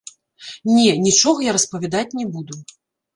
Не, нічога я распавядаць не буду.